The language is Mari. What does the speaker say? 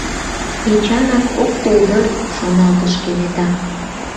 «Эчанак ок тол дыр», — шоналтыш кенета.